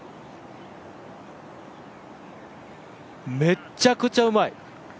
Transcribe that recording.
めちゃくちゃうまい！